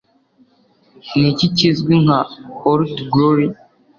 Niki kizwi nka Old Glory?